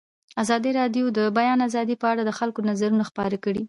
ازادي راډیو د د بیان آزادي په اړه د خلکو نظرونه خپاره کړي.